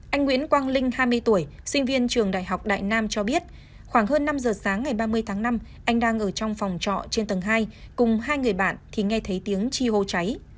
anh nguyễn quang linh hai mươi tuổi sinh viên trường đại học đại nam cho biết khoảng hơn năm giờ sáng ngày ba mươi tháng năm anh đang ở trong phòng trọ trên tầng hai cùng hai người bạn thì nghe thấy tiếng chi hô cháy